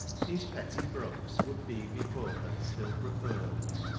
These petty Brooks would Ije before her still preferr'd.